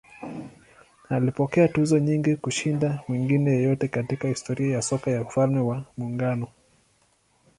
Alipokea tuzo nyingi kushinda mwingine yeyote katika historia ya soka ya Ufalme wa Muungano.